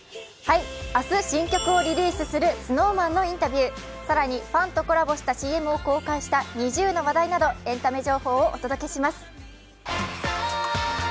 明日新曲をリリースするＳｎｏｗＭａｎのインタビュー更にファンとコラボしたＣＭを公開したＮｉｚｉＵの話題などエンタメ情報をお届けします。